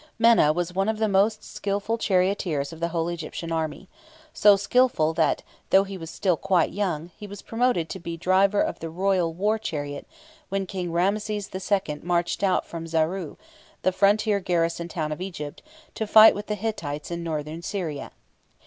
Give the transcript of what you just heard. Menna was one of the most skilful charioteers of the whole Egyptian army so skilful that, though he was still quite young, he was promoted to be driver of the royal war chariot when King Ramses II. marched out from Zaru, the frontier garrison town of Egypt, to fight with the Hittites in Northern Syria.